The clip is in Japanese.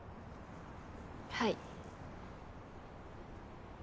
はい。